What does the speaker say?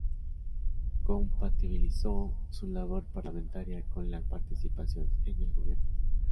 Compatibilizó su labor parlamentaria con la participación en el gobierno.